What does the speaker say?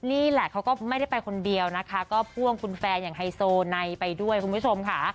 นี่แหละเขาก็ไม่ได้ไปคนเดียวนะคะก็พ่วงคุณแฟนอย่างไฮโซไนไปด้วยคุณผู้ชมค่ะ